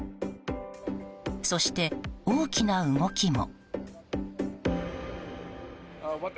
そして、大きな動きも。